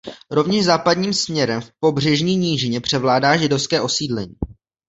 Rovněž západním směrem v pobřežní nížině převládá židovské osídlení.